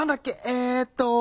えっと。